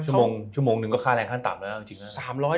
ชั่วโมงหนึ่งค่าแรงคั่นต่ำแล้ว